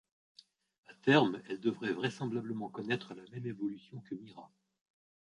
À terme, elle devrait vraisemblablement connaître la même évolution que Mira.